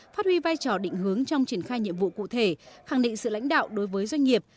phát huy vai trò định hướng trong triển khai nhiệm vụ cụ thể khẳng định sự lãnh đạo đối với doanh nghiệp